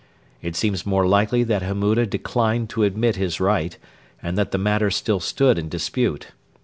It seems more likely that Hammuda declined to admit his right, and that the matter still stood in dispute.